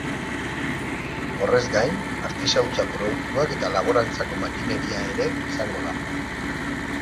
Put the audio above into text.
Horrez gain, artisautza produktuak eta laborantzako makineria ere izango da.